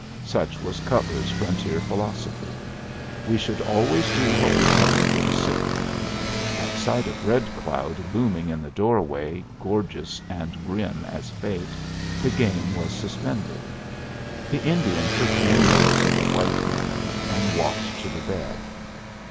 Such was Cutler's frontier philosophy. We should always do what we can for the sick. At sight of Red Cloud looming in the doorway, gorgeous and grim as Fate, the game was suspended. The Indian took no notice of the white men, and walked to the bed.